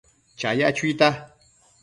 chaya chuitan